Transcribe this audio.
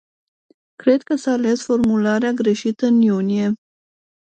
Cred că s-a ales formularea greșită în iunie.